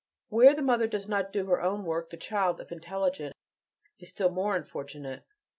Where the mother does not do her own work, the child, if intelligent, is still more unfortunate.